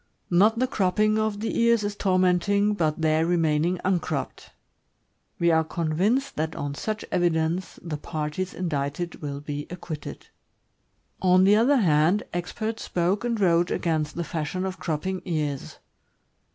Not the cropping of the ears is tormenting, but their remaining uncropped. We are convinced that on such evidence the parties indicted will be acquitted. On the other hand, experts spoke and wrote against the fashion of cropping ears.